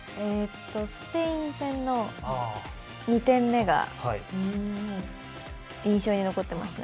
スペイン戦の２点目が印象に残っていますね。